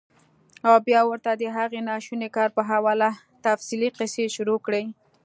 او بيا ورته د هغې ناشوني کار پۀ حواله تفصيلي قيصې شورو کړي -